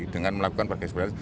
dengan melakukan pergeseran